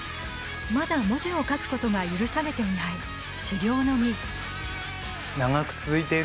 まだ文字を書くことが許されていない修業の身